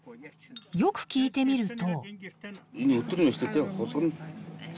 よく聞いてみると。